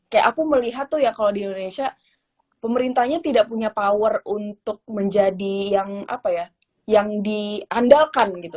kayak aku melihat tuh ya kalo di indonesia pemerintahnya tidak punya power untuk menjadi yang diandalkan gitu